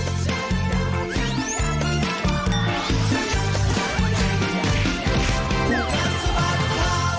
สวัสดีค่ะ